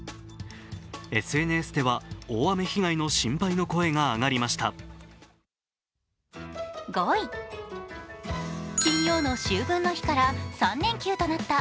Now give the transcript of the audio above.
ＳＮＳでは大雨被害の心配の声が上がりました。